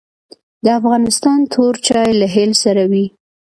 د افغانستان تور چای له هل سره وي